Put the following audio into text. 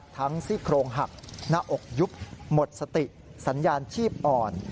ซี่โครงหักหน้าอกยุบหมดสติสัญญาณชีพอ่อน